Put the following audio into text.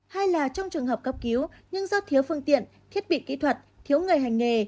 hai là trong trường hợp cấp cứu nhưng do thiếu phương tiện thiết bị kỹ thuật thiếu người hành nghề